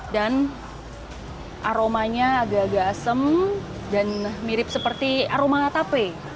dan aromanya agak agak asem dan mirip seperti aroma natape